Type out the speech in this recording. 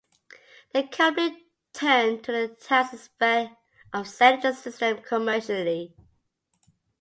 The company turned to the task of selling the systems commercially.